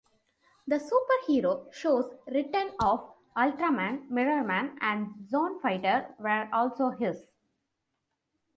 The superhero shows "Return of Ultraman", "Mirrorman", and "Zone Fighter" were also his.